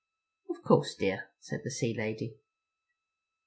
"Of course, dear," said the sea lady.